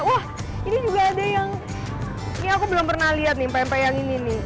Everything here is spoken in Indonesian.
wah ini juga ada yang ini aku belum pernah lihat nih pempe yang ini nih